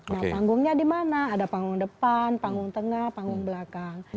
nah panggungnya di mana ada panggung depan panggung tengah panggung belakang